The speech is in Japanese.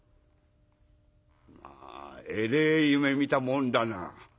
まあえれえ夢見たもんだな。